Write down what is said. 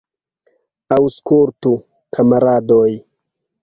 Aŭskultu, kamaradoj!